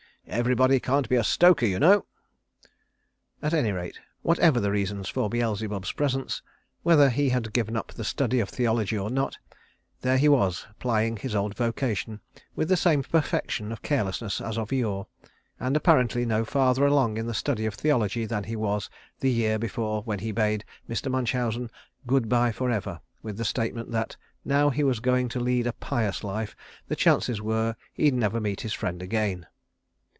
Everybody can't be a stoker, you know." At any rate, whatever the reasons for Beelzebub's presence, whether he had given up the study of theology or not, there he was plying his old vocation with the same perfection of carelessness as of yore, and apparently no farther along in the study of theology than he was the year before when he bade Mr. Munchausen "good bye forever" with the statement that now that he was going to lead a pious life the chances were he'd never meet his friend again.